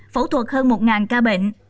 phẫu thuật hơn một ca bệnh